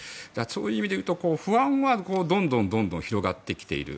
そういう意味でいうと不安はどんどん広がってきている。